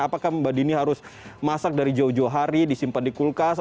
apakah mbak dini harus masak dari jauh jauh hari disimpan di kulkas